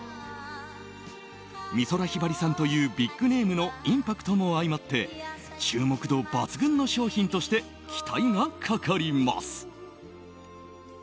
美空ひばりさんというビッグネームのインパクトも相まって注目度抜群の商品として期待がかかります。